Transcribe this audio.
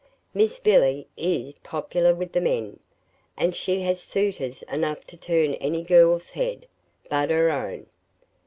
Miss Billy IS popular with the men, and she has suitors enough to turn any girl's head but her own."